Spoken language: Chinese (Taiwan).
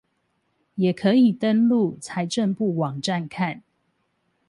也可以登入財政部網站看